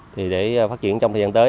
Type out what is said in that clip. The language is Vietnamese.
thì để phát triển trong thời gian tới